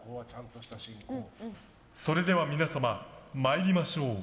それでは皆様、参りましょう。